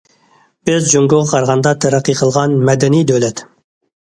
بىز جۇڭگوغا قارىغاندا تەرەققىي قىلغان، مەدەنىي دۆلەت.